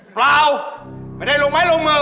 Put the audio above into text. เปล่าไม่ได้ลงไม้ลงมือ